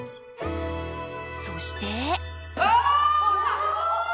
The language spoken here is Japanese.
そして。